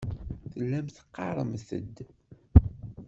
Tellamt teɣɣaremt-d.